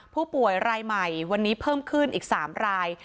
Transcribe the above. ผู้ป่วยรายใหม่วันนี้เพิ่มขึ้นอีก๓ราย